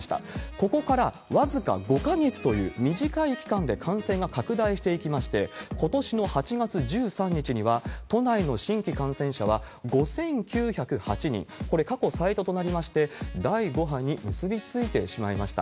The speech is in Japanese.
ここから僅か５か月という短い期間で感染が拡大していきまして、ことしの８月１３日には、都内の新規感染者は５９０８人、これ、過去最多となりまして、第５波に結び付いてしまいました。